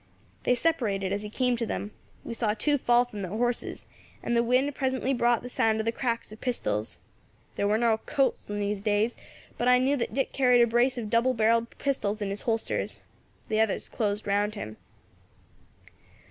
They separated as he came to them. We saw two fall from their horses, and the wind presently brought the sound of the cracks of pistols. There war no 'Colts' in those days, but I knew that Dick carried a brace of double barrelled pistols in his holsters. Then the others closed round him.